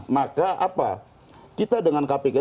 maka kita dengan kpk